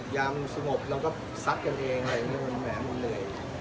ยามสงบเราก็ซัดกันเองอะไรอย่างนี้มันแหวนมันเหนื่อย